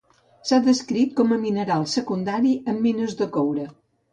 S'ha descrit com a mineral secundari en mines de coure.